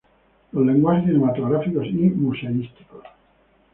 Los lenguajes cinematográficos y museísticos.